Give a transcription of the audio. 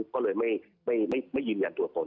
ก็เลยไม่ยินเอาตัวตน